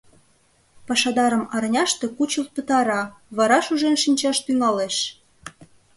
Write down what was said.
Пашадарым арняште кучылт пытара, вара шужен шинчаш тӱҥалеш.